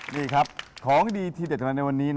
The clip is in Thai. นี่ครับของดีทีเด็ดของเราในวันนี้